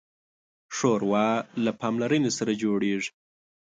ښوروا له پاملرنې سره جوړیږي.